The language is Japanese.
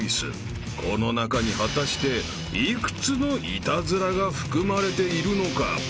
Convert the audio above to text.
［この中に果たして幾つのイタズラが含まれているのか］